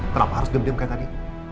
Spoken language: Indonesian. kenapa harus diam diam kayak tadi